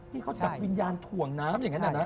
ที่เขาจับวิญญาณถ่วงน้ำอย่างนั้นนะ